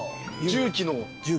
重機の。